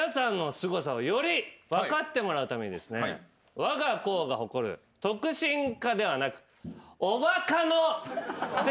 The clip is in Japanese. わが校が誇る特進科ではなく。